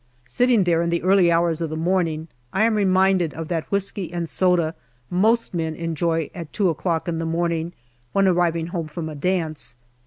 Sitting there in the early hours of the morning, I am reminded of that whisky and soda most men enjoy at 2 o'clock in the morning when arriving home from a dance.